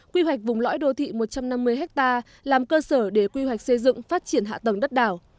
quy hoạch vùng lõi đô thị một trăm năm mươi ha làm cơ sở để quy hoạch xây dựng phát triển hạ tầng đất đảo